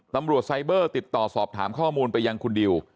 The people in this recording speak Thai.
ไซเบอร์ติดต่อสอบถามข้อมูลไปยังคุณดิว